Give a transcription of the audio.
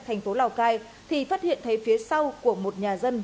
thành phố lào cai thì phát hiện thấy phía sau của một nhà dân